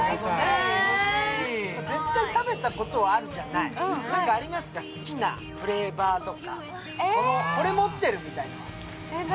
絶対食べたことはあるじゃない、何かありますか、好きなフレーバーとかこれ持ってるみたいな。